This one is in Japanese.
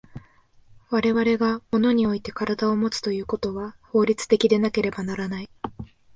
我々が物において身体をもつということは法律的でなければならない。